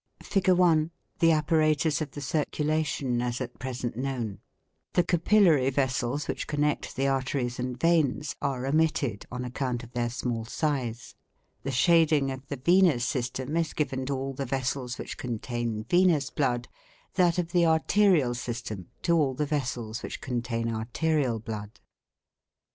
Fig. 1. The apparatus of the circulation, as at present known. The capillary vessels, which connect the arteries and veins, are omitted, on account of their small size. The shading of the "venous system" is given to all the vessels which contain venous blood; that of the "arterial system" to all the vessels which contain arterial blood.